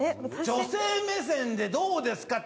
女性目線でどうですか？